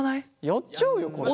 やっちゃうよこれ。